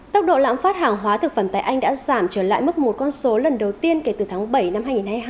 tốc độ lãng phát hàng hóa thực phẩm tại anh đã giảm trở lại mức một con số lần đầu tiên kể từ tháng bảy năm hai nghìn hai mươi hai